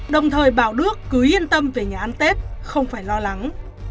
đồng thời bảo đước cứ yên tâm về nhà ăn tết không phải lo lắng